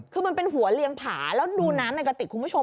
คือมันเป็นหัวเลียงผาแล้วดูน้ำในกระติกคุณผู้ชม